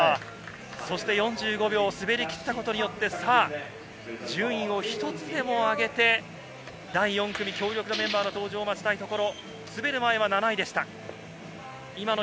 ４５秒滑りきったことによって、順位を１つでも上げて、第４組の登場を待ちたいところ。